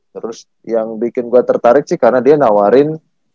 terus yang bikin gue tertarik sih karena dia nawarin